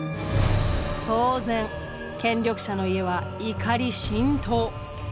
当然権力者の家は怒り心頭。